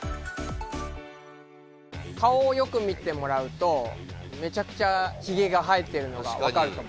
顔をよく見てもらうとめちゃくちゃヒゲが生えてるのがわかると思います。